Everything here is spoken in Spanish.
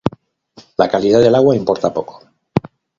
La calidad del agua importa poco.